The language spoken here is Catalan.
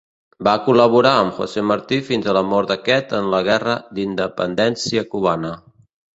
Va col·laborar amb José Martí fins a la mort d'aquest en la Guerra d'Independència cubana.